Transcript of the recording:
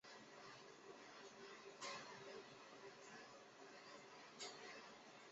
葡萄牙语姓名通常由一个或两个名字和几个姓氏组成。